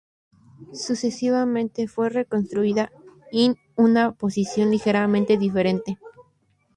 Sucesivamente fue reconstruida in una posición ligeramente diferente.